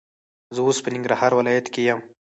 زه اوس په ننګرهار ولایت کې یم.